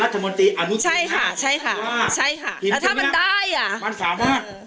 เขาฝากรัฐมนตรีใช่ค่ะใช่ค่ะใช่ค่ะแล้วถ้ามันได้อ่ะมันสามารถ